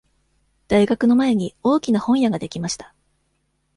大学の前に大きな本屋ができました。